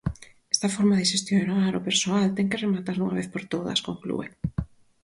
"Esta forma de xestionar o persoal ten que rematar dunha vez por todas", conclúe.